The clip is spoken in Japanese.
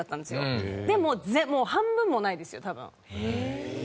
でももう半分もないですよ多分。